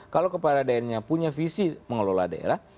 kalau kepala daerahnya punya visi mengelola daerah